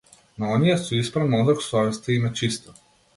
На оние со испран мозок совеста им е чиста.